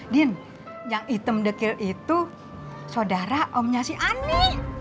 din yang hitam dekil itu saudara omnya si ani